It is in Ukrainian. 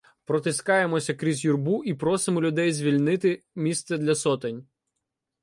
Протискаємося крізь юрбу і просимо людей звільнити місце для сотень.